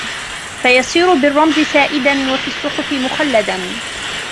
فَيَصِيرُ بِالرَّمْزِ سَائِرًا وَفِي الصُّحُفِ مُخَلَّدًا